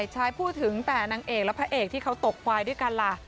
ชายพูดถึงแต่นางเอกและพระเอกที่เขาตกควายด้วยกันล่ะ